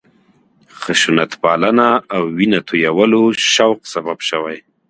خشونتپالنه او وینه تویولو شوق سبب شوی.